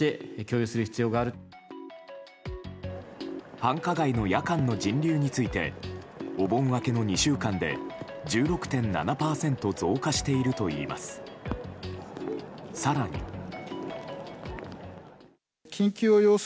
繁華街の夜間の人流についてお盆明けの２週間で、１６．７％増加しているといいます。